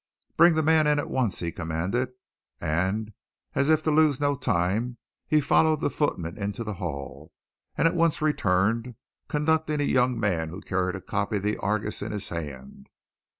"Bring the man in at once," he commanded. And, as if to lose no time, he followed the footman into the hall, and at once returned, conducting a young man who carried a copy of the Argus in his hand.